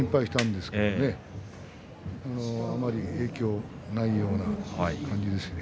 でも、あまり影響のないような感じですね